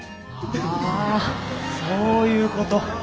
あそういうこと。